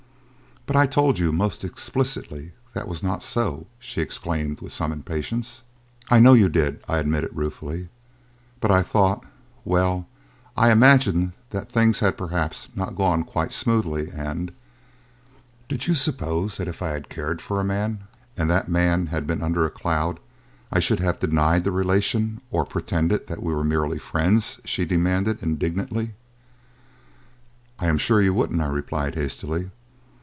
"But I told you, most explicitly, that was not so!" she exclaimed with some impatience. "I know you did," I admitted ruefully; "but I thought well, I imagined that things had, perhaps, not gone quite smoothly and " "Did you suppose that if I had cared for a man, and that man had been under a cloud, I should have denied the relation or pretended that we were merely friends?" she demanded indignantly. "I am sure you wouldn't," I replied hastily.